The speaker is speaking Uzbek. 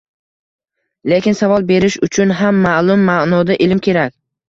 Lekin savol berish uchun ham ma’lum ma’noda ilm kerak.